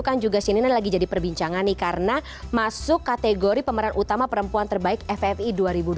kan juga cnn lagi jadi perbincangan nih karena masuk kategori pemeran utama perempuan terbaik ffi dua ribu dua puluh